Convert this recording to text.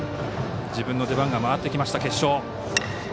自分の出番が回ってきました決勝。